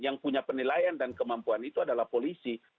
yang punya penilaian dan kemampuan itu adalah polisi